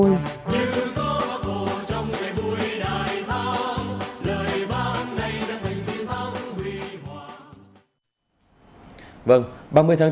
trong ngày buổi đại tháng